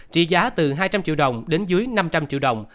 trị giá từ hai trăm linh triệu đồng đến dưới năm trăm linh triệu đồng